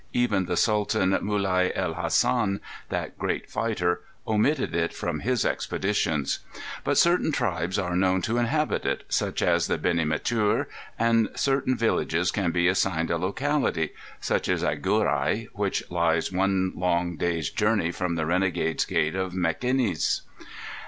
Even the Sultan Mulai el Hassen, that great fighter, omitted it from his expeditions. But certain tribes are known to inhabit it, such as the Beni M'tir, and certain villages can be assigned a locality, such as Agurai, which lies one long day's journey from the Renegade's Gate of Mequinez.